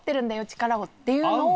力を！っていうのを。